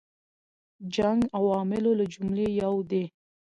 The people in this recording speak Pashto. جنګ عواملو له جملې یو دی.